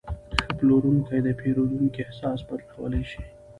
ښه پلورونکی د پیرودونکي احساس بدلولی شي.